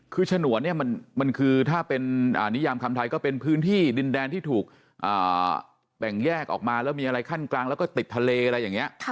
คือฉนวนเนี่ยมันคือถ้าเป็นนิยามคำไทยก็เป็นพื้นที่ดินแดนที่ถูกแบ่งแยกออกมาแล้วมีอะไรขั้นกลางแล้วก็ติดทะเลอะไรอย่างนี้